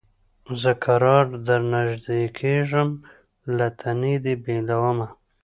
زه کرار درنیژدې کېږم له تنې دي بېلومه